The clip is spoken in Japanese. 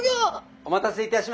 お待たせいたしました！